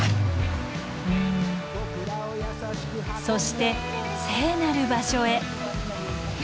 そして聖なる場所へ。